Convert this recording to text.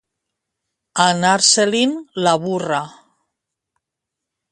Anar-se-li'n la burra.